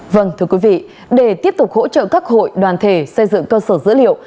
vâng thưa quý vị để tiếp tục hỗ trợ các hội đoàn thể xây dựng cơ sở dữ liệu